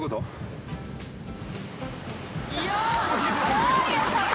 どういうこと？